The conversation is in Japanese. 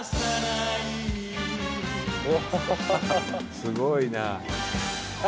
すごいな。